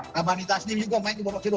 rabani tasnim juga main di bawah kedua